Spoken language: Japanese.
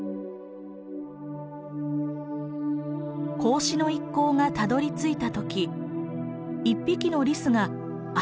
孔子の一行がたどりついた時一匹のリスが足元に駆け寄ってきました。